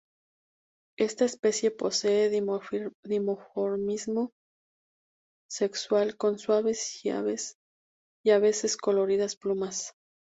Esta especie posee dimorfismo sexual, con suaves y a veces coloridas plumas.